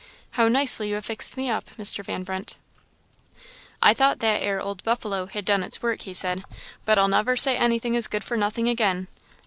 How nicely you have fixed me up, Mr. Van Brunt!" "I thought that 'ere old buffalo had done its work," he said; "but I'll never say anything is good for nothing again.